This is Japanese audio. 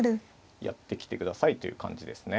やって来て下さいという感じですね。